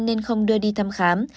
nên không đưa đi thăm khám